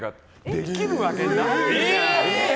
できるわけないじゃん！